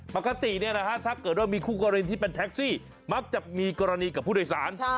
ปกติถ้าเกิดว่ามีคู่กรณีที่เป็นแท็กซี่มักจะมีกรณีกับผู้โดยสาร